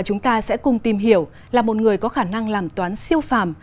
chúng ta sẽ cùng tìm hiểu là một người có khả năng làm toán siêu phàm